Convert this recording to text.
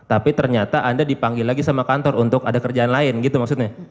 tapi ternyata anda dipanggil lagi sama kantor untuk ada kerjaan lain gitu maksudnya